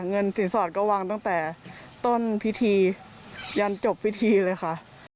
เงินสินสอดก็วางตั้งแต่ต้นพิธียันจบพิธีเลยค่ะ